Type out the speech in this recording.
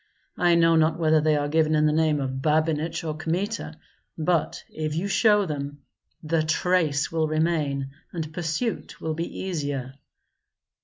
I know not whether they are given in the name of Babinich or Kmita; but if you show them, the trace will remain and pursuit will be easier."